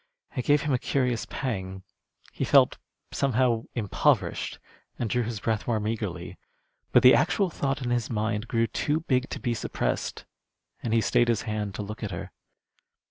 It gave him a curious pang. He felt, somehow, impoverished, and drew his breath more meagrely. But the actual thought in his mind grew too big to be suppressed, and he stayed his hand to look at her.